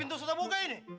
pintu sudah buka ini